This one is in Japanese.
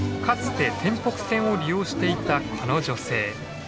かつて天北線を利用していたこの女性。